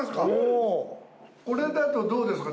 うんこれだとどうですか？